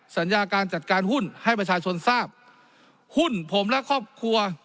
สัญญาการจัดการหุ้นให้ประชาชนทราบหุ้นผมและครอบครัว